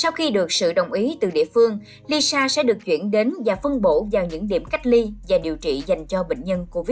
sau khi được sự đồng ý từ địa phương lisa sẽ được chuyển đến và phân bổ vào những điểm cách ly và điều trị dành cho bệnh nhân covid một mươi chín